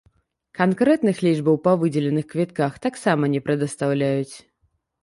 Канкрэтных лічбаў па выдзеленых квітках таксама не прадастаўляюць.